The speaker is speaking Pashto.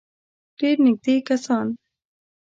ډېر نېږدې کسان.